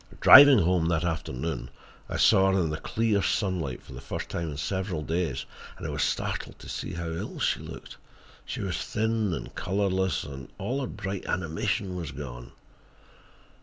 Driving home that afternoon, I saw her in the clear sunlight for the first time in several days, and I was startled to see how ill she looked. She was thin and colorless, and all her bright animation was gone.